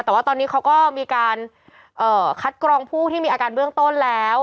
แต่ว่าตอนนี้เขาก็มีการคัดกรองผู้ที่มีอาการเบื้องต้นแล้ว